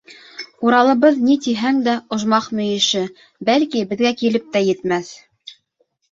Уралыбыҙ, ни тиһәң дә, ожмах мөйөшө, бәлки, беҙгә килеп тә етмәҫ.